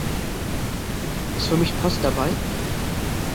Ist für mich Post dabei?